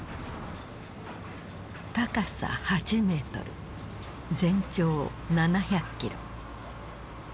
高さ８メートル全長７００キロ。